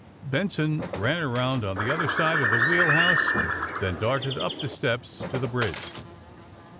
Benson ran around on the other side of the wheel house, then darted up the steps to the bridge.